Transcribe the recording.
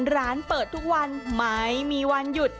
ร้านเปิดทุกวันไม่มีวันหยุด